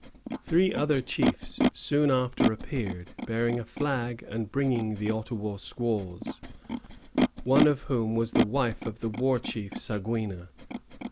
Three other chiefs soon after appeared, bearing a flag and bringing the Ottawa squaws, one of whom was the wife of the war chief, Saguina.